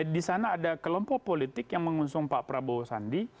di sana ada kelompok politik yang mengusung pak prabowo sandi